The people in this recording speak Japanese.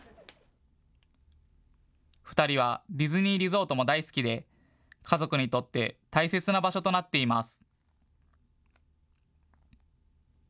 ２人はディズニーリゾートも大好きで、家族にとって大切な場所となっています。